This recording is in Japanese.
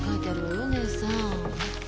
義姉さん。